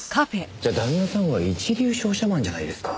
じゃあ旦那さんは一流商社マンじゃないですか。